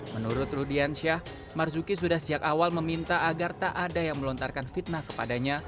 menurut rudiansyah marzuki sudah sejak awal meminta agar tak ada yang melontarkan fitnah kepadanya